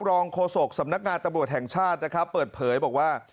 โฆษกสำนักงานตำรวจแห่งชาตินะครับเปิดเผยบอกว่า